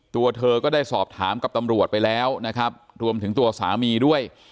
ตัวเธอก็ได้สอบถามกับตำรวจไปแล้วนะครับรวมถึงตัวสามีด้วย